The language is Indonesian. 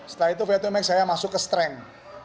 setelah itu vo dua max saya masuk ke strength